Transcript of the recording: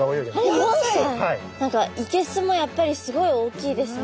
何かいけすもやっぱりすごい大きいですね。